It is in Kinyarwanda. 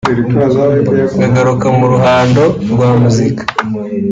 nkagaruka mu ruhando rwa muzika